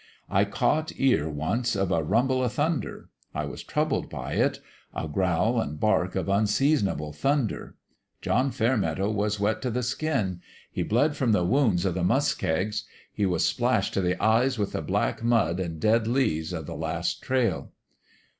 I caught ear, once, of a rumble of thunder : I was troubled by it a growl an' bark of unseasonable thunder. John Fairmeadow was wet t' the skin : he bled from the wounds o' the 'muskegs ; he was splashed t' the eyes with the black mud an' dead leaves o' the last trail.